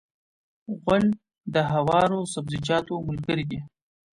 غول د هوارو سبزیجاتو ملګری دی.